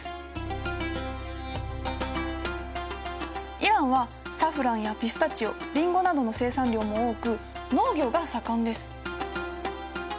イランはサフランやピスタチオリンゴなどの生産量も多く農業が盛んです。